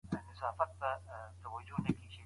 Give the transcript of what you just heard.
سياسي کشمکشونه بايد د قانون په چوکاټ کي وي.